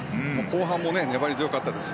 後半も粘り強かったです。